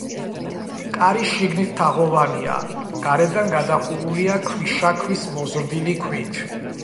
კარი შიგნით თაღოვანია, გარედან გადახურულია ქვიშაქვის მოზრდილი ქვით.